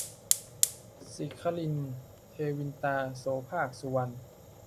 ศิขริน-เทวินตา - โสภาค สุวรรณ